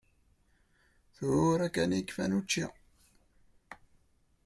Tura kan i kfan učči.